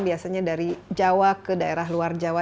biasanya dari jawa ke daerah luar jawa